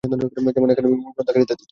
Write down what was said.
যেমন একাডেমিক ভবন, গ্রন্থাগার ইত্যাদি।